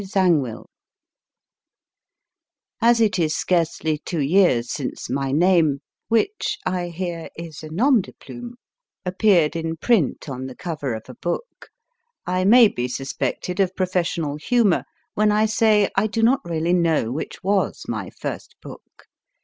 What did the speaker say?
ZANGWILL AS it is scarcely two years since my name (which, I hear, is a nom de plume] appeared in print on the cover of a book, I may be suspected of professional humour when I say I do not really know which was my first book.